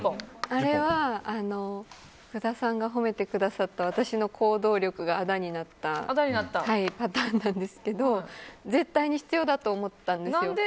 あれは、福田さんが褒めてくださった福田さんの行動力があだになったパターンなんですけど絶対に必要だと思ったんですよ。